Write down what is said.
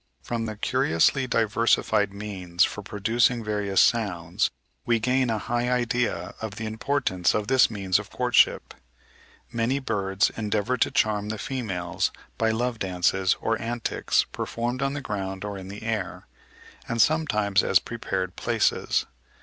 From the curiously diversified means for producing various sounds, we gain a high idea of the importance of this means of courtship. Many birds endeavour to charm the females by love dances or antics, performed on the ground or in the air, and sometimes at prepared places.